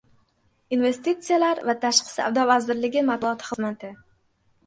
Investitsiyalar va tashqi savdo vazirligi matbuot xizmati.